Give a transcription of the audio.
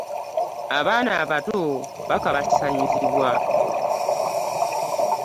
Abaana abato bakabasanyizibwa.